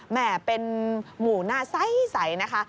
แม่เป็นหมู่หน้าใสนะคะ